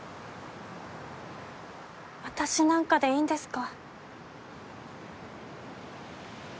私なんかでいいんですか？